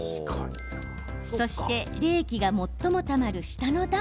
そして、冷気が最もたまる下の段。